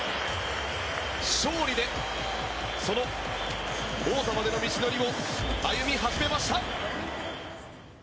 勝利でその王座までの道のりを歩み始めました。